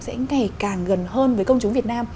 sẽ ngày càng gần hơn với công chúng việt nam